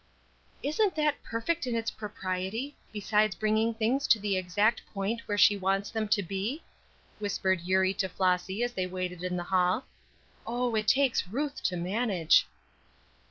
"Isn't that perfect in its propriety, besides bringing things to the exact point where she wants them to be?" whispered Eurie to Flossy as they waited in the hall. "Oh, it takes Ruth to manage."